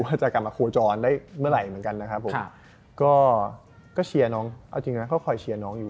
ปัจจุบันอยู่เลยนะสามปีแล้วเนี่ย